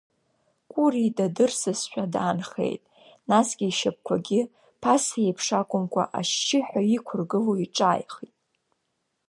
Кәыри дадырсызшәа даанхеит, насгьы ишьапқәагьы ԥаса еиԥш акәымкәа, ашьшьыҳәа иқәыргыло иҿааихеит.